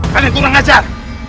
kalian tidak mengajar